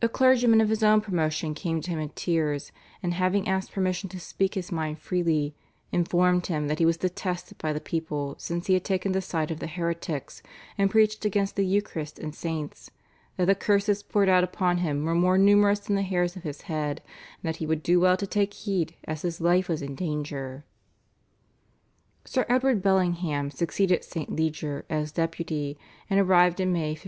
A clergyman of his own promotion came to him in tears, and having asked permission to speak his mind freely, informed him that he was detested by the people since he had taken the side of the heretics and preached against the Eucharist and Saints, that the curses poured out upon him were more numerous than the hairs of his head, and that he would do well to take heed as his life was in danger. Sir Edward Bellingham succeeded St. Leger as Deputy, and arrived in May 1548.